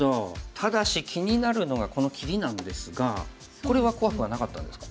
ただし気になるのがこの切りなんですがこれは怖くはなかったんですか？